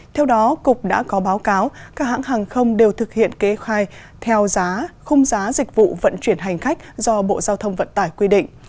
theo đó cục đã có báo cáo các hãng hàng không đều thực hiện kế khai theo giá không giá dịch vụ vận chuyển hành khách do bộ giao thông vận tải quy định